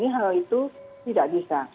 hal itu tidak bisa